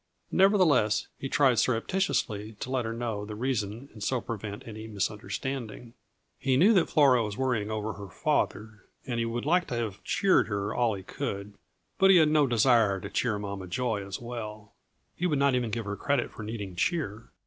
Nevertheless, he tried surreptitiously to let her know the reason and so prevent any misunderstanding. He knew that Flora was worrying over her father, and he would like to have cheered her all he could; but he had no desire to cheer Mama Joy as well he would not even give her credit for needing cheer.